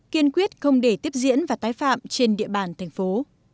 kiên quyết không để tiếp diễn và tái phạm trên địa bàn thành phố